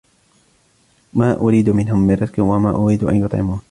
مَا أُرِيدُ مِنْهُمْ مِنْ رِزْقٍ وَمَا أُرِيدُ أَنْ يُطْعِمُونِ